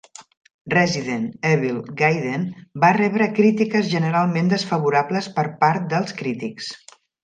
"Resident Evil Gaiden" va rebre crítiques generalment desfavorables per part dels crítics.